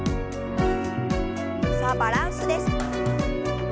さあバランスです。